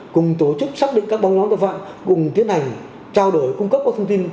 cùng tổ chức xác định các bóng nhóm tội phạm cùng tiến hành trao đổi cung cấp các thông tin